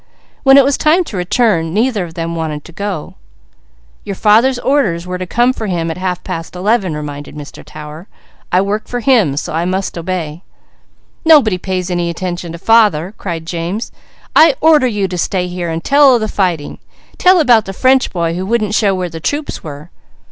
When it was time to return, neither wanted to go. "Your father's orders were to come for him at half past eleven," reminded Mr. Tower. "I work for him, so I must obey!" "Nobody pays any attention to father," cried James. "I order you to stay here and tell of the fighting. Tell about the French boy who wouldn't show where the troops were."